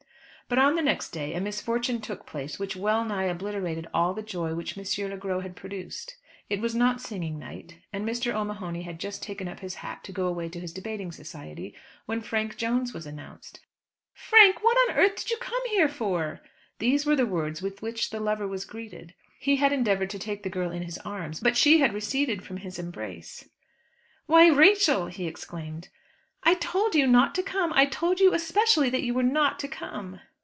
But on the next day, a misfortune took place which well nigh obliterated all the joy which M. Le Gros had produced. It was not singing night, and Mr. O'Mahony had just taken up his hat to go away to his debating society, when Frank Jones was announced. "Frank, what on earth did you come here for?" These were the words with which the lover was greeted. He had endeavoured to take the girl in his arms, but she had receded from his embrace. "Why, Rachel!" he exclaimed. "I told you not to come. I told you especially that you were not to come."